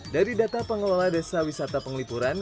dari data pengelola desa wisata penglipuran